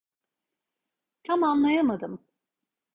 Tam anlayamadım.